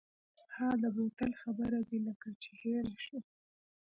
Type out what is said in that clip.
ها د بوتل خبره دې لکه چې هېره شوه.